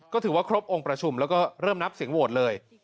ก็ถือว่าครบองค์ประชุมแล้วก็เริ่มนับเสียงโหวตเลย